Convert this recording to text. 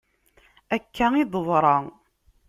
Akka i d-teḍra.